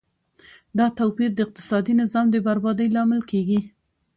دا توپیر د اقتصادي نظام د بربادۍ لامل کیږي.